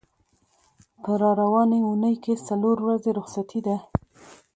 په را روانې اوونۍ کې څلور ورځې رخصتي ده.